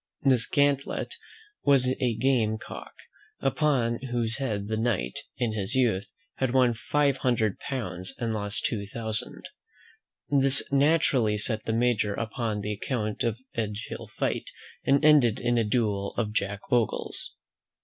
This Gantlett was a game cock, upon whose head the knight, in his youth, had won five hundred pounds, and lost two thousand. This naturally set the Major upon the account of Edge hill fight, and ended in a duel of Jack Ogle's.